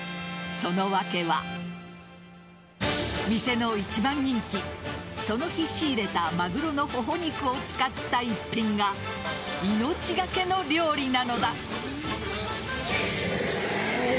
その訳は店の一番人気、その日仕入れたマグロの頬肉を使った一品が命がけの料理なのだ。